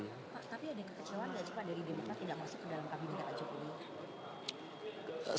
pak tapi ada kekecewaan dari demokrat tidak masuk ke dalam kabinet jokowi